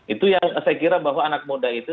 itu yang saya kira bahwa anak muda itu